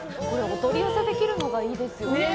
これ、お取り寄せできるのがいいですよね。